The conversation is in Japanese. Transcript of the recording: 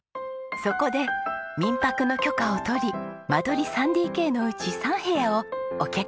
そこで民泊の許可を取り間取り３ＤＫのうち３部屋をお客様用にしたんです。